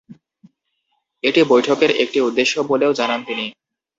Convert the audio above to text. এটি বৈঠকের একটি উদ্দেশ্য বলেও জানান তিনি।